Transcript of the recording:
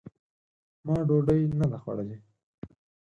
ما ډوډۍ نه ده خوړلې !